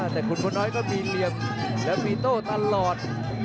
แต่ขุนพลน้อยก็มีเหลี่ยมและมีโต้ตลอด